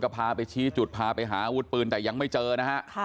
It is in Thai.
พาไปชี้จุดพาไปหาอาวุธปืนแต่ยังไม่เจอนะฮะ